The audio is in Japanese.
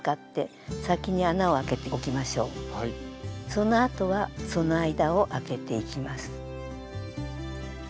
そのあとはその間をあけていきます。